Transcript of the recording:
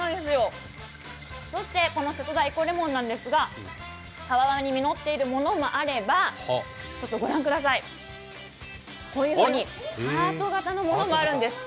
せとだエコレモンですがたわわに実っているものもあれば、こういうふうにハート形のものもあるんです。